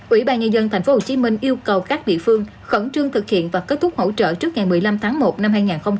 ủy ban nhân dân tp hcm yêu cầu các địa phương khẩn trương thực hiện và kết thúc hỗ trợ trước ngày một mươi năm tháng một năm hai nghìn hai mươi